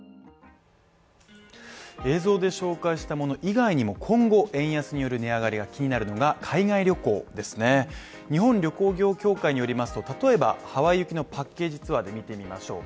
映像で紹介したもの以外にも今後円安による値上がりが気になるのが海外旅行ですね日本旅行業協会によりますと例えばハワイ行きのパッケージツアーで見てみましょう。